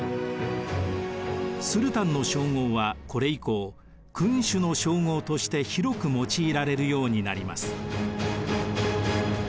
スルタンの称号はこれ以降君主の称号として広く用いられるようになります。